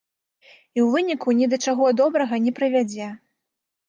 І ў выніку ні да чаго добрага не прывядзе.